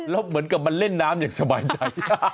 แล้วเหมือนกับมันเล่นน้ำอย่างสบายใจ